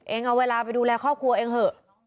เองเอาเวลาไปดูแลครอบครัวเองเถอะ